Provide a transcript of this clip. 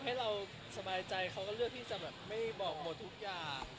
ให้เราสบายใจเขาก็เลือกที่จะ